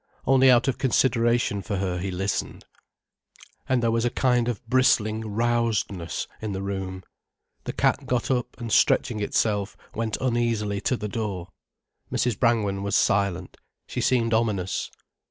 Only out of consideration for her he listened. And there was a kind of bristling rousedness in the room. The cat got up and stretching itself, went uneasily to the door. Mrs. Brangwen was silent, she seemed ominous.